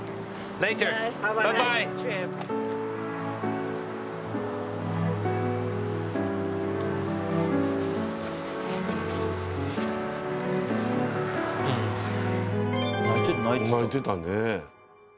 泣いてたね。